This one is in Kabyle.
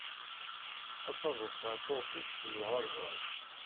Ad tadef ɣer tuṛkist n uɣerbaz.